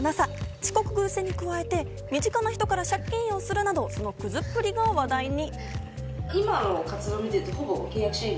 遅刻グセに加え、身近な人から借金をするなど、そのクズっぷりが話題に。